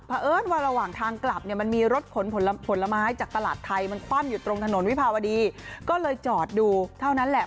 เพราะเอิญว่าระหว่างทางกลับเนี่ยมันมีรถขนผลไม้จากตลาดไทยมันคว่ำอยู่ตรงถนนวิภาวดีก็เลยจอดดูเท่านั้นแหละ